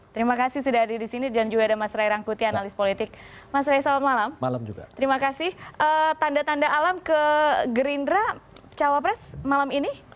tanda tanda alam ke gerindra cawa pres malam ini